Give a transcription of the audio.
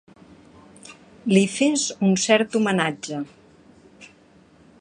Li fes un cert homenatge.